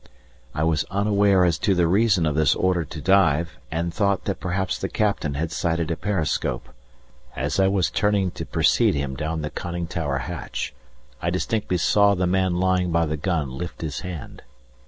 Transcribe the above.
I was unaware as to the reason of this order to dive, and thought that perhaps the Captain had sighted a periscope. As I was turning to precede him down the conning tower hatch I distinctly saw the man lying by the gun lift his hand.